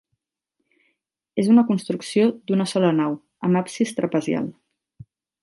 És una construcció d'una sola nau amb absis trapezial.